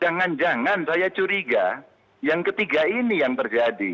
jangan jangan saya curiga yang ketiga ini yang terjadi